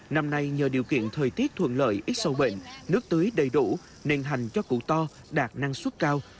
năm nay nhờ điều kiện thời tiết thuận lợi ít sâu bệnh nước tưới đầy đủ nên hành cho cụ to đạt năng suất cao